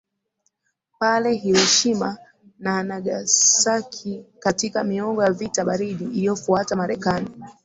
pale Hiroshima na NagasakiKatika miongo ya vita baridi iliyofuata Marekani